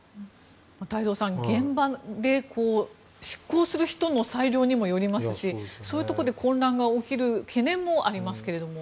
太蔵さん、現場で執行する人の裁量にもよりますしそういうところで混乱が起きる懸念もありますけども。